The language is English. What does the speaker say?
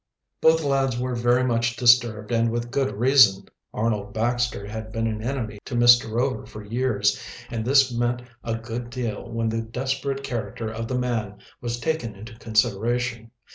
Both lads were very much disturbed, and with good reason. Arnold Baxter had been an enemy to Mr. Rover for years, and this meant a good deal when the desperate character of the man was taken into consideration.